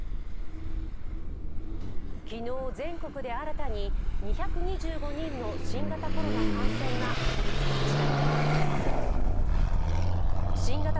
昨日、全国で新たに２２５人の新型コロナ感染が確認されました。